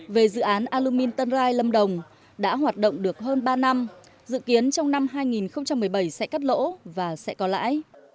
về dự án alumin tân rai lâm đồng đã hoạt động được hơn ba năm dự kiến trong năm hai nghìn một mươi bảy sẽ cắt lỗ và sẽ có lãi